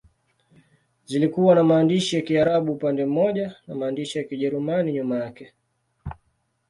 Zilikuwa na maandishi ya Kiarabu upande mmoja na maandishi ya Kijerumani nyuma yake.